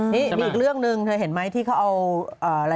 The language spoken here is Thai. นี่มีอีกเรื่องหนึ่งเธอเห็นไหมที่เขาเอาอะไร